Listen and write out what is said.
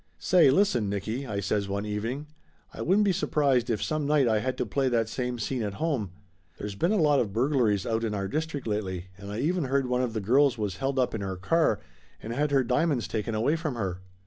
"Say, listen, Nicky," I says one evening. "I wouldn't be surprised if some night I had to play that same scene at home. There's been a lot of burglaries out in our district lately, and I even heard one of the girls was held up in her car and had her diamonds taken away from her!"